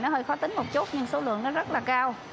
nó hơi khó tính một chút nhưng số lượng nó rất là cao